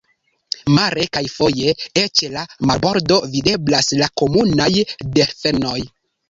Mare kaj foje eĉ el la marbordo videblas la komunaj delfenoj.